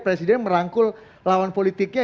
presiden merangkul lawan politiknya